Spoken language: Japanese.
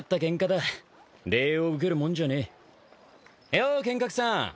よう剣客さん。